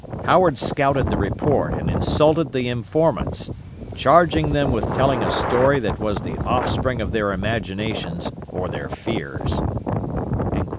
Howard scouted the report and insulted the informants, charging them with telling a story that was the offspring of their imaginations or their fears."